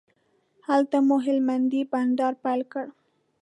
هلته مو هلمندی بانډار پیل کړ.